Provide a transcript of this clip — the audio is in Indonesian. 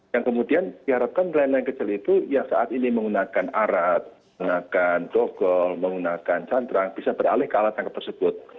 yang kemudian diharapkan nelayan nelayan kecil itu yang saat ini menggunakan arat menggunakan dogol menggunakan cantrang bisa beralih ke alat tangkap tersebut